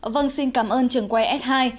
vâng xin cảm ơn trường quay s hai